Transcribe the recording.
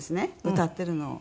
歌ってるのを。